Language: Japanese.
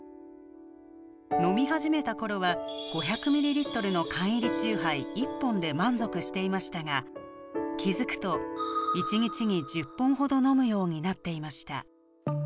飲み始めた頃は５００ｍｌの缶入り酎ハイ１本で満足していましたが気付くと１日に１０本ほど飲むようになっていました。